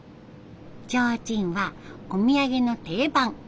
ちょうちんはお土産の定番。